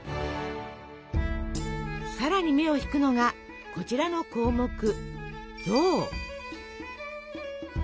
さらに目を引くのがこちらの項目「象」。